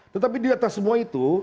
tetapi di atas semua itu